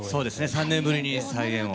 ３年ぶりに再演を。